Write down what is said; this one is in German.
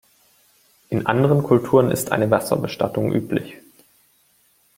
In anderen Kulturen ist eine Wasserbestattung üblich.